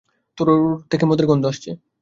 তোর থেকে মদের গন্ধ আসছে।